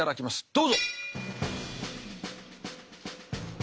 どうぞ。